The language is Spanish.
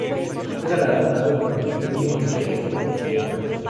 Fue galardonado con el Premio Israel por su obra.